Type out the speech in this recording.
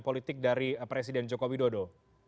politik dari presiden jokowi dodo